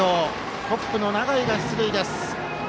トップの永井が出塁です。